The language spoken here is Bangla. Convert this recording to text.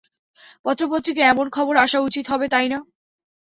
পত্র-পত্রিকায় এমন খবর আসা উচিত হবে, তাই না?